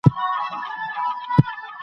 د تمرین اوبه.